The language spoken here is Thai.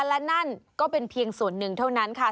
และนั่นก็เป็นเพียงส่วนหนึ่งเท่านั้นค่ะ